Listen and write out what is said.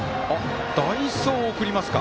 代走を送りますか。